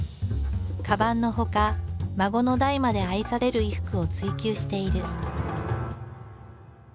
カバンのほか孫の代まで愛される衣服を追求している。